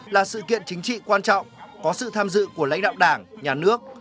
là sự kiện chính trị quan trọng có sự tham dự của lãnh đạo đảng nhà nước